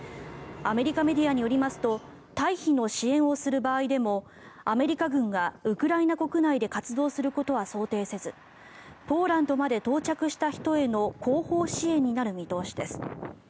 アメリカメディアによりますと退避の支援をする場合でもアメリカ軍がウクライナ国内で活動することは想定せずポーランドまで到着した人への後方支援になる見通しです。